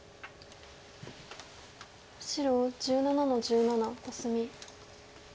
白１７の十七コスミ。